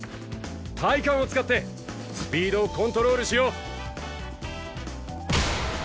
体幹を使ってスピードをコントロールしよう。